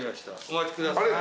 お待ちください。